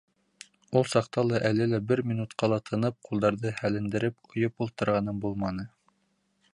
Ул саҡта ла, әле лә бер минутҡа ла тынып, ҡулдарҙы һәлендереп, ойоп ултырғаным булманы.